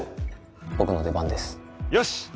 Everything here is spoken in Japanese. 僕の出番ですよし！